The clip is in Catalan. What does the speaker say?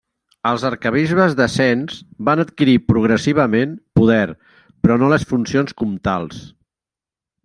Els arquebisbes de Sens van adquirir progressivament poder però no les funcions comtals.